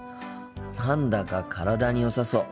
何だか体によさそう。